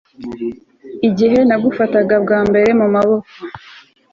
igihe nagufata bwa mbere mu maboko